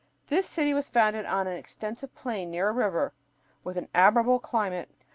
This city was founded on an extensive plain near a river, with an admirable climate.